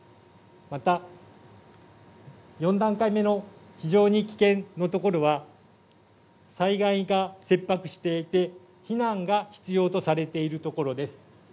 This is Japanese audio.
また、４段階目の非常に危険の所は、災害が切迫していて、避難が必要とされている所です。